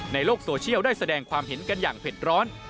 ในโลกโซเชียลได้แสดงความเห็นกันอย่างเผ็ดร้อน